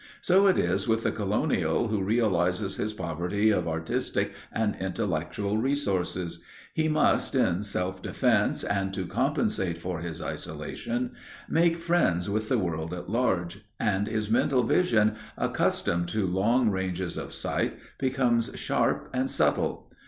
So it is with the colonial who realizes his poverty of artistic and intellectual resources. He must, in self defense and to compensate for his isolation, make friends with the world at large, and his mental vision, accustomed to long ranges of sight, becomes sharp and subtile.